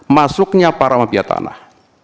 masuknya para mafia tanah